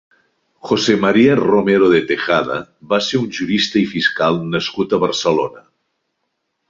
José María Romero de Tejada va ser un jurista i fiscal nascut a Barcelona.